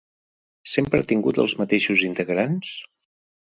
Sempre ha tingut els mateixos integrants?